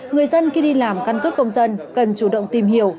người dân khi đi làm căn cước công dân cần chủ động tìm hiểu